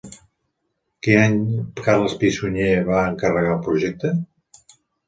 Quin any Carles Pi i Sunyer va encarregar el projecte?